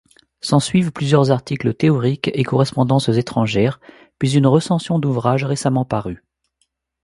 S'ensuivent plusieurs articles théoriques et correspondances étrangères, puis une recension d'ouvrage récemment paru.